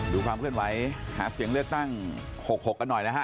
ดูความเคลื่อนไหวหาเสียงเลือกตั้ง๖๖กันหน่อยนะฮะ